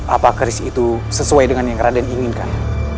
apakah chris itu sesuai dengan yang raden inginkan